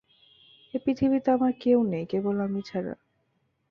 এ পৃথিবীতে আমার কেউ নেই কেবল আমি ছাড়া।